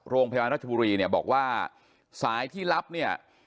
โรงพยาบาลรัชบุรีเนี่ยบอกว่าสายที่รับเนี่ย